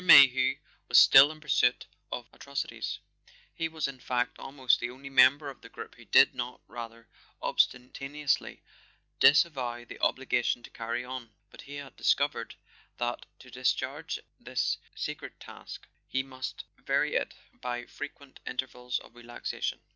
Mayhew was still in pursuit of Atrocities: he was in fact almost the only member of the group who did not rather ostentatiously disavow the obligation to "carry on." But he had discovered that to discharge this sacred task he must vary it by frequent in¬ tervals of relaxation.